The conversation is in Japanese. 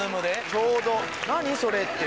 ちょうど「何？それ」っていう。